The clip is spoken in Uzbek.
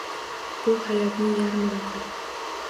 Bu hayotning yarmi rohat